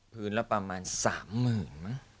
พื้นละประมาณ๓หมื่นมั้ย